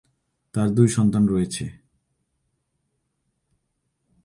তার দুই সন্তান রয়েছে।